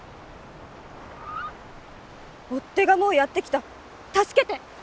「追っ手がもうやって来た。助けて」！